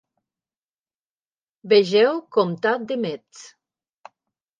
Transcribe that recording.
Vegeu comtat de Metz.